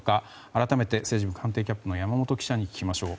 あらためて政治部官邸キャップの山本記者に聞きましょう。